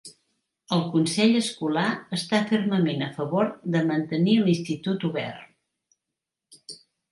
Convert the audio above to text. El consell escolar està fermament a favor de mantenir l'institut obert.